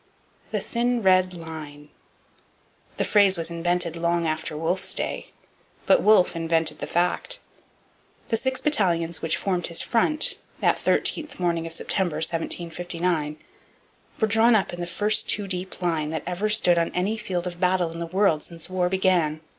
'The thin red line.' The phrase was invented long after Wolfe's day. But Wolfe invented the fact. The six battalions which formed his front, that thirteenth morning of September 1759, were drawn up in the first two deep line that ever stood on any field of battle in the world since war began.